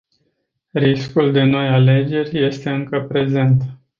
Riscul de noi alegeri este încă prezent.